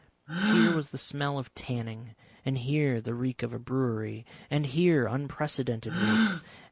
Here was the smell of tanning, and here the reek of a brewery, and here unprecedented reeks.